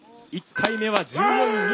１回目は１４位